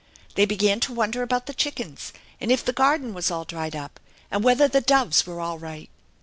They began to wonder about the chickens, and if the garden was all dried up, and whether the dove,* were all right.